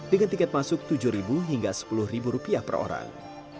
dengan tiket masuk rp tujuh hingga sepuluh rupiah per orang